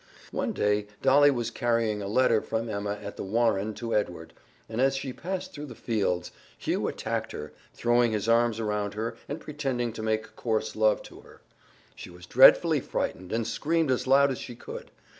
One day Dolly was carrying a letter from Emma at The Warren to Edward, and as she passed through the fields, Hugh attacked her, throwing his arms around her and pretending to make coarse love to her. She was dreadfully frightened and screamed as loud as she could.